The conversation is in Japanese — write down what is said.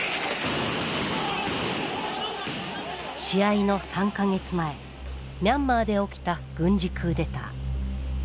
試合の３か月前ミャンマーで起きた軍事クーデター。